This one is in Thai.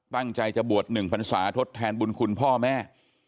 ตั้งใจจะบวช๑พรรษาทดแทนบุญคุณพ่อแม่